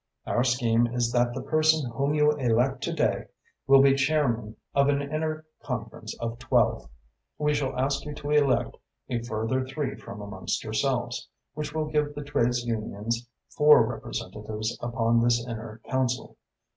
Our scheme is that the person whom you elect to day will be chairman of an inner conference of twelve. We shall ask you to elect a further three from amongst yourselves, which will give the trades unions four representatives upon this inner council.